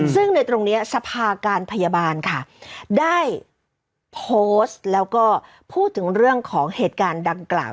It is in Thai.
ซึ่งในตรงนี้สภาการพยาบาลค่ะได้โพสต์แล้วก็พูดถึงเรื่องของเหตุการณ์ดังกล่าว